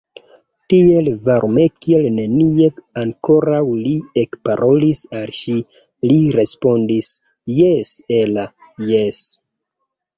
Tiel varme kiel nenie ankoraŭ li ekparolis al ŝi, li respondis: « Jes, Ella, jes! »